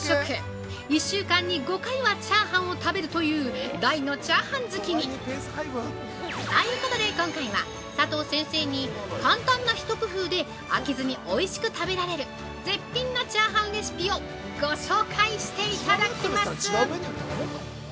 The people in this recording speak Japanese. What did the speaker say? １週間に５回はチャーハンを食べるという大のチャーハン好きに！ということで、今回は佐藤先生に、簡単なひと工夫で飽きずにおいしく食べられる絶品のチャーハンレシピをご紹介していただきます！